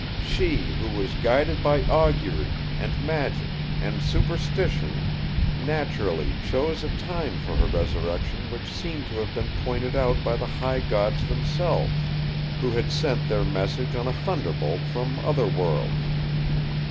She, who was guided by augury, and magic, and superstition, naturally chose a time for her resurrection which seemed to have been pointed out by the High Gods themselves, who had sent their message on a thunderbolt from other worlds.